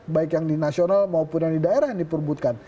baik yang di nasional maupun yang di daerah yang diperbutkan